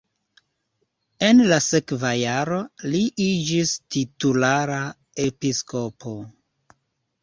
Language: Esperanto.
En la sekva jaro li iĝis titulara episkopo.